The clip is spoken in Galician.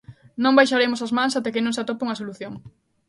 Non baixaremos as mans até que non se atope unha solución.